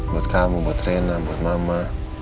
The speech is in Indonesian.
buat kamu buat reina buat mama